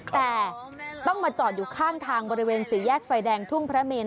แต่ต้องมาจอดอยู่ข้างทางบริเวณสี่แยกไฟแดงทุ่งพระเมน